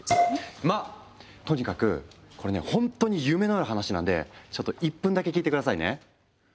まあとにかくこれねほんとに夢のある話なんでちょっと１分だけ聞いて下さいね。